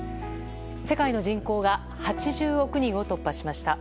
世界の人口が８０億人を突破しました。